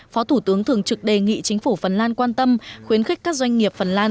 phó thủ tướng thường trực đề nghị chính phủ phần lan quan tâm khuyến khích các doanh nghiệp phần lan